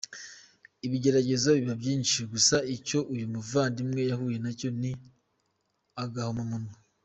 Ibigeragezo biba byinshi, gusa icyo uyu muvandimwe yahuye nacyo ni agahomamunwa!.